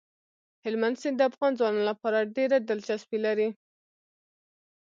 هلمند سیند د افغان ځوانانو لپاره ډېره دلچسپي لري.